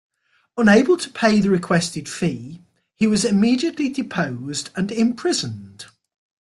Unable to pay the requested fee, he was immediately deposed and imprisoned.